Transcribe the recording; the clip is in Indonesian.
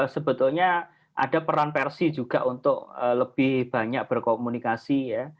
sebetulnya ada peran versi juga untuk lebih banyak berkomunikasi ya